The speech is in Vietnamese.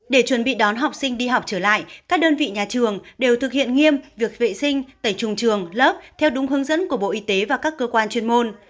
để chuẩn bị đón học sinh đi học trở lại các đơn vị nhà trường đều thực hiện nghiêm việc vệ sinh tẩy trùng trường lớp theo đúng hướng dẫn của bộ y tế và các cơ quan chuyên môn